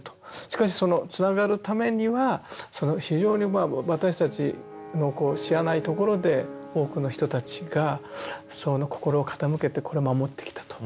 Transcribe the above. しかしそのつながるためには非常に私たちの知らないところで多くの人たちがその心を傾けてこれを守ってきたと。